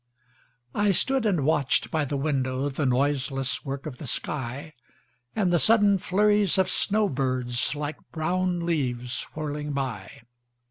I stood and watched by the windowThe noiseless work of the sky, And the sudden flurries of snow birds, Like brown leaves whirling by.